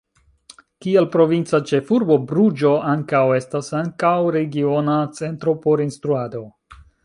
Kiel provinca ĉefurbo Bruĝo ankaŭ estas ankaŭ regiona centro por instruado.